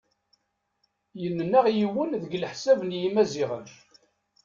yen neɣ yiwen deg leḥsab n yimaziɣen.